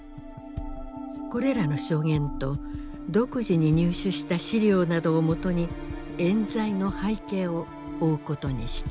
これらの証言と独自に入手した資料などを基に冤罪の背景を追うことにした。